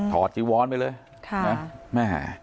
ถอดจิวร์นไปเลยค่ะแม่